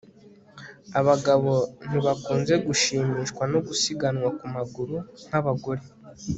Abagabo ntibakunze gushimishwa no gusiganwa ku maguru nkabagore